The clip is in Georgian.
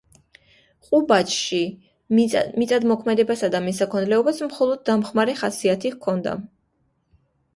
ყუბაჩში მიწათმოქმედებასა და მესაქონლეობას მხოლოდ დამხმარე ხასიათი ჰქონდა.